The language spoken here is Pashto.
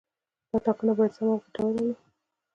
دا ټاکنه باید سمه او ګټوره وي.